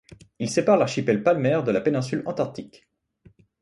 Il sépare l'archipel Palmer de la péninsule Antarctique.